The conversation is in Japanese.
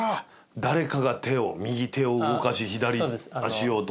誰かが手を右手を動かし左足をとか。